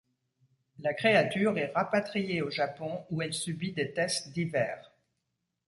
La créature est rapatriée au Japon où elle subit des tests divers.